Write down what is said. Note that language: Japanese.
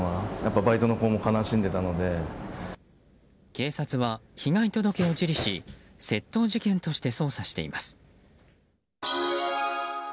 警察は被害届を受理し窃盗事件として捜査しています。